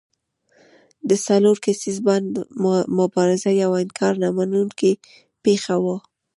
د څلور کسیز بانډ مبارزه یوه انکار نه منونکې پېښه وه.